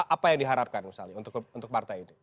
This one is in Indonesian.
apa yang diharapkan misalnya untuk partai ini